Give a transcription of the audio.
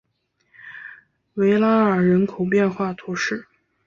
维拉尔人口变化图示